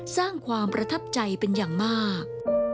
สร้างความประทับใจเป็นอย่างมาก